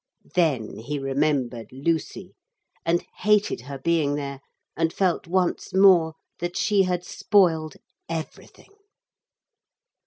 Then he remembered Lucy, and hated her being there, and felt once more that she had spoiled everything.